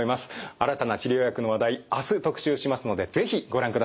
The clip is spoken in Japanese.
新たな治療薬の話題明日特集しますので是非ご覧ください。